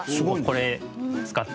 これ使って。